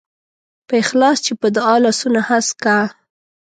په اخلاص چې په دعا لاسونه هسک کا.